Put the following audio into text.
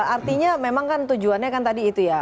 artinya memang kan tujuannya kan tadi itu ya